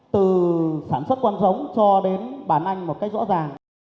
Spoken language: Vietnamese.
từ sản xuất quan sống cho đến bán anh một cách rõ ràng